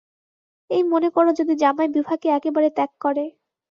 এই মনে করো যদি জামাই বিভাকে একেবারে ত্যাগ করে।